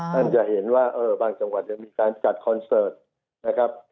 ท่านจะเห็นว่าบางจังหวัดมีการจัดคอนเสิร์ตนะครับ